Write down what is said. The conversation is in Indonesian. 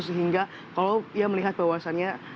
sehingga kalau ia melihat bahwasannya